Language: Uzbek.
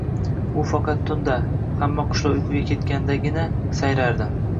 U faqat tunda, hamma qushlar uyquga ketgandagina sayrardi